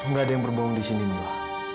gak ada yang berbohong disini mila